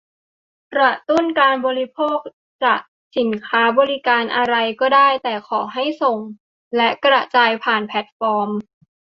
กระตุ้นการบริโภค จะสินค้าบริการอะไรก็ได้ แต่ขอให้ส่งและกระจายผ่านแพลตฟอร์ม